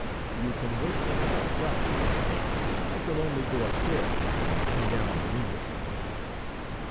You can wait for me outside; I shall only go upstairs and come down immediately."